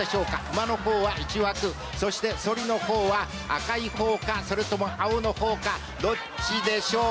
馬の方は１枠そしてソリの方は赤い方かそれとも青の方かどっちでしょうか？